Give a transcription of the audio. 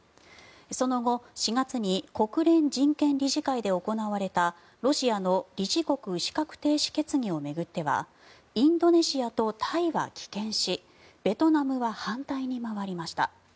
その後、４月に国連人権理事会で行われたロシアの理事国資格停止決議を巡ってはインドネシアとタイが棄権しベトナムは反対に回りました。